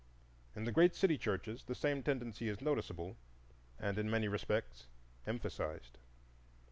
In the great city churches the same tendency is noticeable and in many respects emphasized.